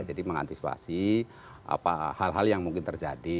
jadi mengantisipasi hal hal yang mungkin terjadi